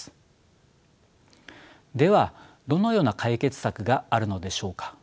ではどのような解決策があるのでしょうか。